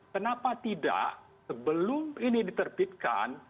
kenapa tidak sebelum ini diterbitkan